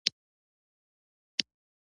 خټکی د ساه بندي ستونزې کموي.